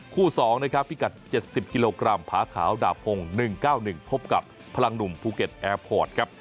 ๒นะครับพิกัด๗๐กิโลกรัมผาขาวดาบพงศ์๑๙๑พบกับพลังหนุ่มภูเก็ตแอร์พอร์ตครับ